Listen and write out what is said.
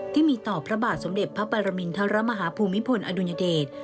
ที่มีต่อพระบาทสมเด็จพระปรมินทรมาฮาภูมิพลอดุญเดช